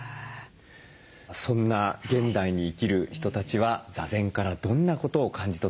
そんな現代に生きる人たちは座禅からどんなことを感じ取っているんでしょうか？